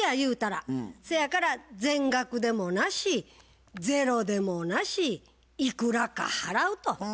そやから全額でもなしゼロでもなしいくらか払うと。